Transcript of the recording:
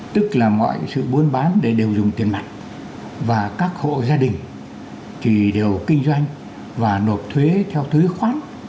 tức là mọi sự buôn bán để đều dùng tiền mạng và các hộ gia đình thì đều kinh doanh và nộp thuế theo thuế khoáng